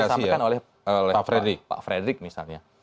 yang disampaikan oleh pak frederick misalnya